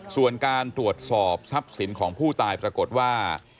ส่วนการตรวจสอบทรัพย์สินของผู้ตายปรากฏว่า